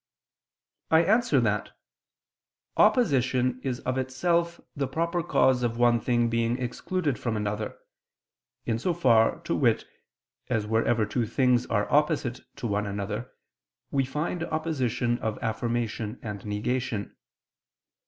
I answer that, Opposition is of itself the proper cause of one thing being excluded from another, in so far, to wit, as wherever two things are opposite to one another, we find opposition of affirmation and negation.